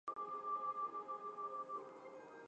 中共第十六届中央候补委员。